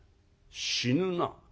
「死ぬな」。